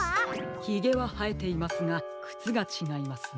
ひげははえていますがくつがちがいますね。